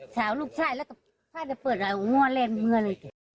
ชายจะเปิดอะไรง่วงเล่นเมื่อเลย